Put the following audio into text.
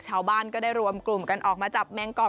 ชาวบ้านก็ได้รวมกลุ่มกันออกมาจับแมงกรอบ